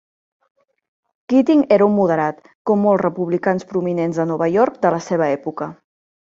Keating era un moderat, com molts republicans prominents de Nova York de la seva època.